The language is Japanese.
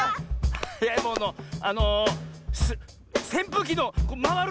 はやいものあのせんぷうきのこうまわる。